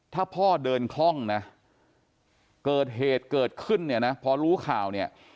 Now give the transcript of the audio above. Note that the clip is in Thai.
ถ้าพ่อเดินคล่องนะเกิดเหตุเกิดขึ้นเนี่ยนะพอรู้ข่าวเนี่ย